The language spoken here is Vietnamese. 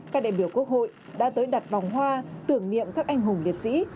các đại biểu quốc hội đã tới đặt vòng hoa tưởng niệm các anh hùng liệt sĩ